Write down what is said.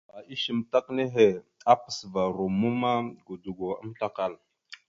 Ŋgaba ishe amətak nehe, apasəva romma ma, godogo amatəkal.